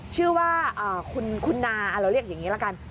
ชื่อว่าคุณนาเราเรียกอย่างนี้ละกัน